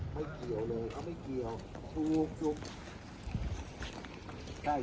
ผมไม่กล้าด้วยผมไม่กล้าด้วยผมไม่กล้าด้วย